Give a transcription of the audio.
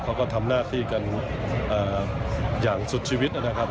เขาก็ทำหน้าที่กันอย่างสุดชีวิตนะครับ